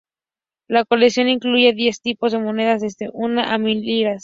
La colección incluía diez tipos de monedas, desde una a mil liras.